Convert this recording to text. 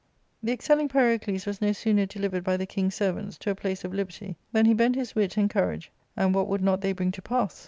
" The excelling Pyrocles was no sooner delivered by the king's servants to a place of liberty than he bent his wit and courage — and what would not they bring to pass?